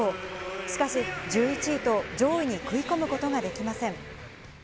しかし、１１位と、上位に食い込むことができません。